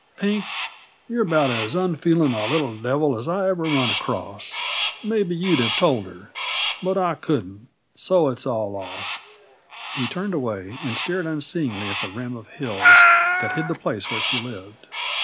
Pink, you're about as unfeeling a little devil as I ever run across. Maybe you'd have told her; but I couldn't. So it's all off." He turned away and stared unseeingly at the rim of hills that hid the place where she lived.